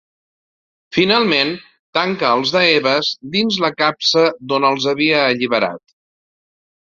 Finalment tanca els Daevas dins la capsa d'on els havia alliberat.